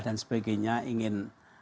dan sebagainya ingin